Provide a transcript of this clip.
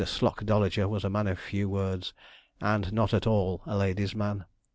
Slocdolager was a man of few words, and not at all a ladies' man.